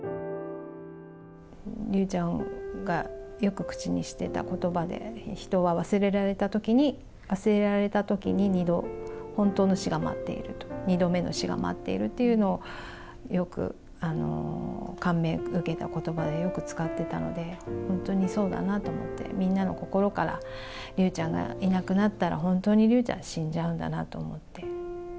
竜ちゃんがよく口にしてたことばで、人は忘れられたときに、忘れられたときに、２度、本当の死が待っている、２度目の死が待っているっていうのを、よく感銘受けたことばで、よく使ってたので、本当にそうだなと思って、みんなの心から竜ちゃんがいなくなったら、本当に竜ちゃん死んじゃうんだなと思って。